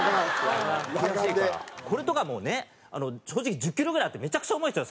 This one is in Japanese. これとかもうね正直１０キロぐらいあってめちゃくちゃ重いんですよ